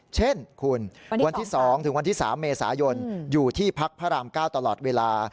เช่นคุณวันที่๒๓เมษายนอยู่ที่พักพระรามเก้าตลอดเวลา